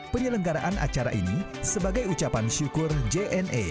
penyelenggaraan acara ini sebagai ucapan syukur jna